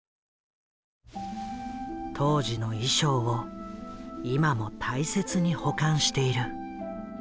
当時の衣装を今も大切に保管している。